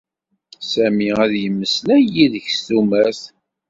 Sami ad yemmeslay yid-k s tumert.